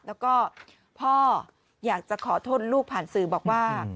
แล้วก็พ่ออยากจะขอโทษลูกผ่านสื่อบอกว่า